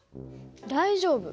大丈夫。